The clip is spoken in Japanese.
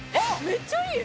めっちゃいい。